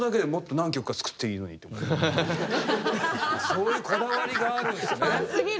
そういうこだわりがあるんですね。